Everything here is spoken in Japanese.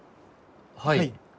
はい。